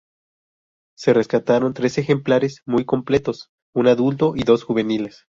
Se rescataron tres ejemplares muy completos, un adulto y dos juveniles.